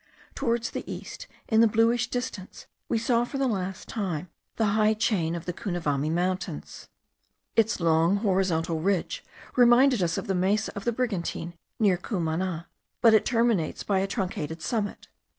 Towards the east, in the bluish distance, we saw for the last time the high chain of the Cunavami mountains. Its long, horizontal ridge reminded us of the Mesa of the Brigantine, near Cumana; but it terminates by a truncated summit.